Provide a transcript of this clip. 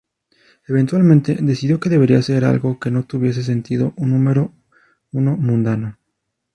Eventualmente decidió que debería ser algo que no tuviese sentido- un número, uno mundano.